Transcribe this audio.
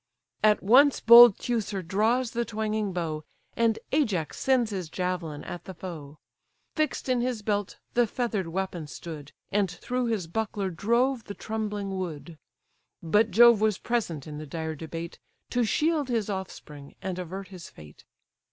At once bold Teucer draws the twanging bow, And Ajax sends his javelin at the foe; Fix'd in his belt the feather'd weapon stood, And through his buckler drove the trembling wood; But Jove was present in the dire debate, To shield his offspring, and avert his fate.